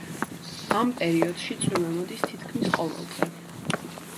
ამ პერიოდში წვიმა მოდის თითქმის ყოველდღე.